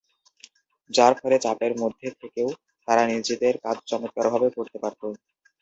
যার ফলে চাপের মধ্যে থেকেও তারা নিজেদের কাজ চমৎকারভাবে করতে পারত।